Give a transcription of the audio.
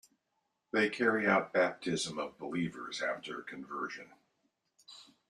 They carry out baptism of believers after conversion.